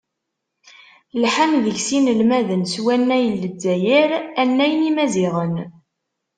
Lḥan deg-s yinelmaden s wannay n Lezzayer, annay n yimaziɣen.